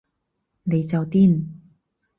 你就癲